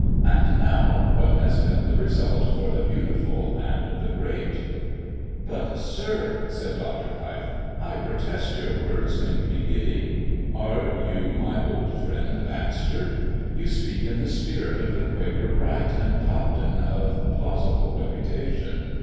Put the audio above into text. And now what has been the result for the Beautiful and the Great?" "But Sir," said Dr. Keif, "I protest your words make me giddy. Are you my old friend Baxter? You speak in the spirit of the Quaker Bright, and Cobden of plausible reputation.